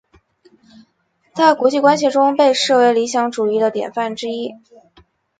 在国际关系中被视为理想主义的典范之一。